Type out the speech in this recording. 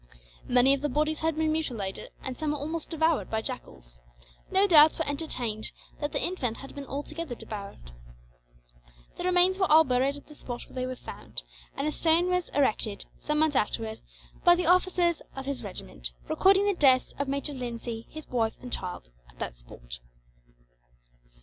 Many of the bodies had been mutilated, and some almost devoured by jackals. No doubts were entertained that the infant had been altogether devoured." "The remains were all buried at the spot where they were found; and a stone was erected, some months afterwards, by the officers of his regiment; recording the deaths of Major Lindsay, his wife and child, at that spot."